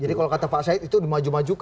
jadi kalau kata pak said itu maju majukan